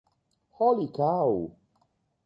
Holy Cow!